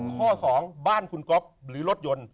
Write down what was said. ข้อ๒บ้านคุณก๊อฟหรือรถยนต์